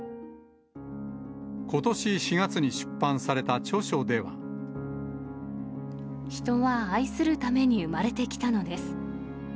ことし４月に出版された著書では。人は愛するために生まれてきたのです。